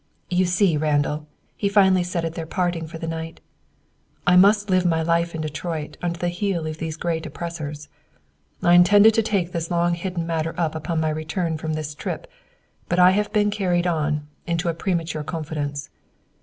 "You see, Randall," he finally said at parting for the night, "I must live my life in Detroit under the heel of these great operators. "I intended to take this long hidden matter up on my return from this trip, but I have been carried on, into a premature confidence.